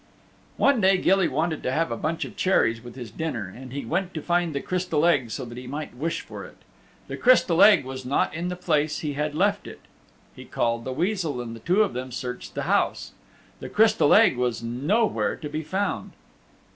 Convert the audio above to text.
One day Gilly wanted to have a bunch of cherries with his dinner, and he went to find the Crystal Egg so that he might wish for it. The Crystal Egg was not in the place he had left it. He called the Weasel and the two of them searched the house. The Crystal Egg was nowhere to be found.